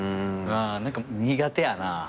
何か苦手やな。